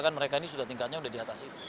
kan mereka ini sudah tingkatnya sudah diatasi